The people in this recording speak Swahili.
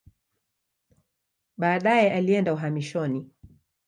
Baadaye alienda uhamishoni.